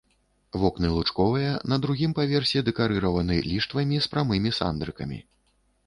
Вокны лучковыя, на другім паверсе дэкарыраваны ліштвамі з прамымі сандрыкамі.